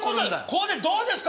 これどうですか？